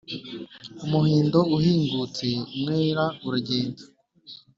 Umuhindo uhingutse umwera uragenda